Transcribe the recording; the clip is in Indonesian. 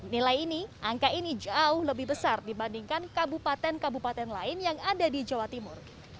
nilai ini angka ini jauh lebih besar dibandingkan kabupaten kabupaten lain yang ada di jawa timur